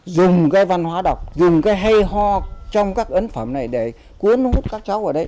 dùng cái văn hóa đọc dùng cái hay ho trong các ấn phẩm này để cuốn hút các cháu